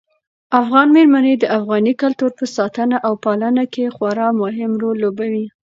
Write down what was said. افغان مېرمنې د افغاني کلتور په ساتنه او پالنه کې خورا مهم رول لوبوي.